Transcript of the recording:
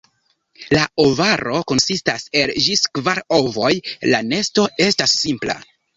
La ovaro konsistas el ĝis kvar ovoj, la nesto estas simpla.